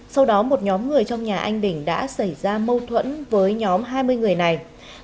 sau đó một nhóm người trong nhà anh bình đã xảy ra mâu thuẫn với nhóm hai mươi người này